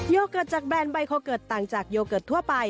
โยเกิร์ตจากแบรนด์ไบโคเกิร์ตต่างจากโยเกิร์ตทั่วไป